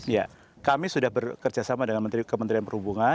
ya kami sudah bekerjasama dengan kementerian perhubungan